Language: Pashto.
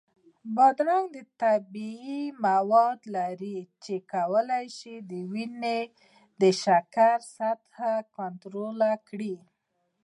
بادرنګ طبیعي مواد لري چې کولی شي د وینې د شکر سطحه کنټرول کړي.